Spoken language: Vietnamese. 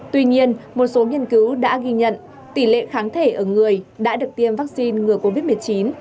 tuy nhiên một số nghiên cứu đã ghi nhận tỷ lệ kháng thể ở người đã được tiêm vaccine ngừa covid một mươi chín